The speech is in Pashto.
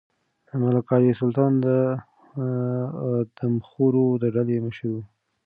ملک علي سلطان د آدمخورو د ډلې مشر و.